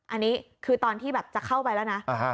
อันนี้คือตอนที่แบบจะเข้าไปแล้วนะ